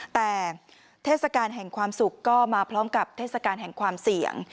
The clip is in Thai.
แต่เทศกาลแห่งความสุขก็มาพร้อมกับเทศกาลแห่งความเสี่ยง